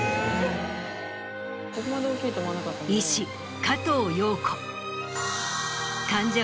医師加藤庸子。